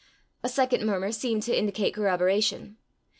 A second murmur seemed to indicate corroboration.